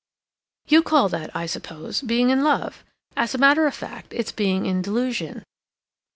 You call that, I suppose, being in love; as a matter of fact it's being in delusion.